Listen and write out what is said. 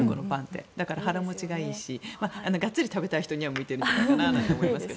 だから腹持ちがいいしがっつり食べたい人には向いているのかなと思います。